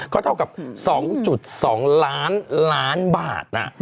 เขาเท่ากับ๒๒หลานบาทนะ